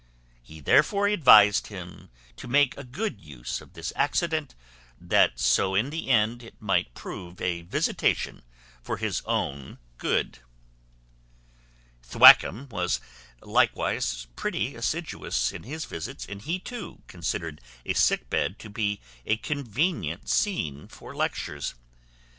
He therefore advised him to make a good use of this accident, that so in the end it might prove a visitation for his own good." Thwackum was likewise pretty assiduous in his visits; and he too considered a sick bed to be a convenient scene for lectures.